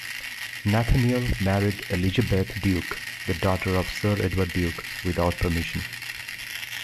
Nathaniel married Elizabeth Duke, the daughter of Sir Edward Duke, without permission.